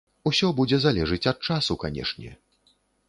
Усё будзе залежыць ад часу, канешне.